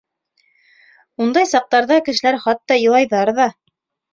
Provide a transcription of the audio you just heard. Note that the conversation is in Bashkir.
Ундай саҡтарҙа кешеләр хатта илайҙар ҙа.